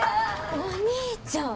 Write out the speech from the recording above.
お兄ちゃん！